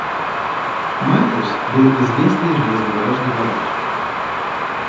Мальтус был известный железнодорожный богач.